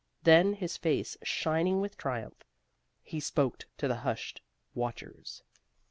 Then, his face shining with triumph, he spoke to the hushed watchers.